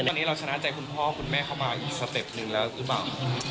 ตอนนี้เราชนะใจคุณพ่อคุณแม่เข้ามาอีกสเต็ปหนึ่งแล้วหรือเปล่า